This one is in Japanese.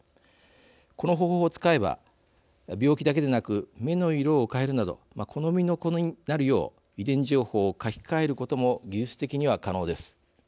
この方法を使えば病気だけでなく目の色を変えるなど好みの子になるよう遺伝情報を書き換えることも技術的には可能です。